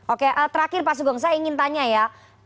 oke terakhir pak sugeng saya ingin tanya ya